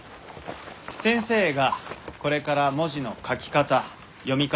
先生がこれから文字の書き方読み方を教えます。